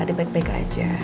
dia baik baik aja